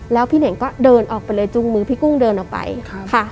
แล้วพี่เน่งก็เดินออกไปเลยจุงมือพี่กุ้งเดินออกไปค่ะ